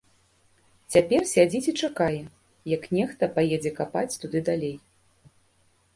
Цяпер сядзіць і чакае, як нехта паедзе капаць туды далей.